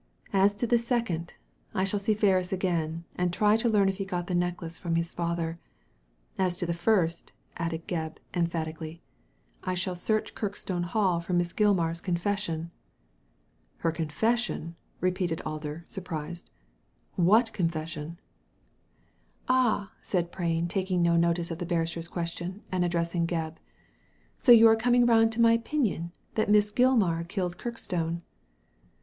As to the second, I shall see Ferris again, and try to learn if he got the necklace from his father ; as to the first," added Gebb, emphatically, " I shall search Kirkstone Hall for Miss Gilmar's confession." " Her confession !" repeated Alder, surprised. What confession ?" Digitized by Google THE REVELATION OF MR. PRAIN 155 "Ah!" said Prain, taking no notice of the barrister's question, and addressing Gebb, "so you are coming round to my opinion — that Miss Gilmar killed Ku kstonc."